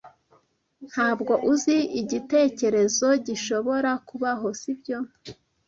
Ntabwo uzi igitekerezo gishobora kubaho, sibyo?